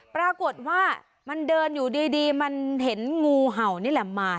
ปรากฏว่ามันเดินอยู่ดีมันเห็นงูเห่านี่แหละมา